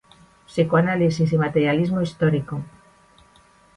Psicoanálisis y materialismo histórico.